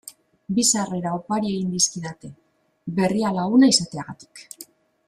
Bi sarrera opari egin dizkidate Berrialaguna izateagatik.